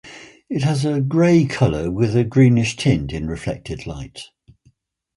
It has a gray color with a greenish tint in reflected light.